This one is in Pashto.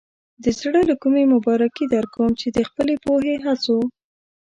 د زړۀ له کومې مبارکي درکوم چې د خپلې پوهې، هڅو.